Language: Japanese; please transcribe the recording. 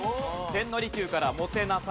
千利休からもてなされました。